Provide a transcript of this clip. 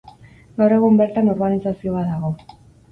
Gaur egun bertan urbanizazio bat dago.